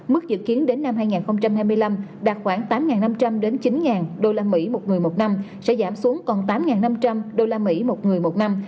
mức dự kiến đến năm hai nghìn hai mươi năm đạt khoảng tám năm trăm linh chín usd một người một năm sẽ giảm xuống còn tám năm trăm linh usd một người một năm